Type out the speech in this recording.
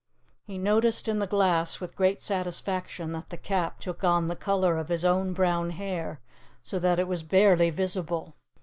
He noticed in the glass, with great satisfaction, that the Cap took on the color of his own brown hair, so that it was barely visible.